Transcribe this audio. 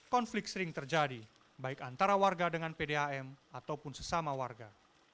konflik sering terjadi baik antara warga dengan pdam ataupun sesama warga